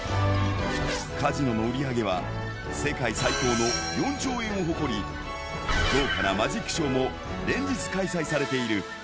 カジノの売り上げは、世界最高の４兆円を誇り、豪華なマジックショーも連日開催されている。